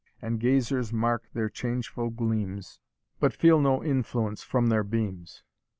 And gazers mark their changeful gleams, But feel no influence from their beams."